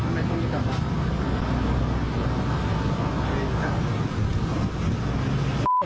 ทำไมคุณไม่กลับละ